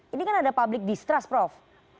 ini kan ada public distrust prof